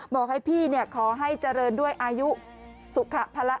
บอกให้พี่ขอให้เจริญด้วยอายุสุขภาระ